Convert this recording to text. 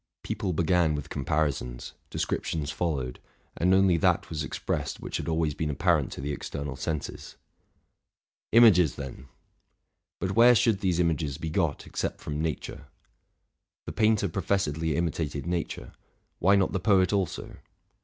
People began with comparisons, descriptions followed, and only that was expressed which had always been apparent to the exter nal senses. 218 TRUTH AND FICTION Images, then! But where should these images be got ex cept from nature? The painter professedly imitated nature : why not the poet also?